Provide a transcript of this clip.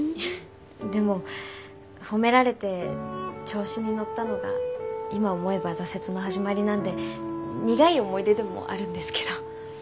でも褒められて調子に乗ったのが今思えば挫折の始まりなんで苦い思い出でもあるんですけど。